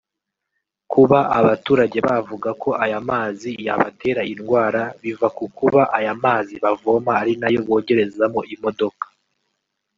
Kuba abaturage bavuga ko aya mazi yabatera indwara biva ku kuba aya mazi bavoma ari nayo bogerezamo imodoka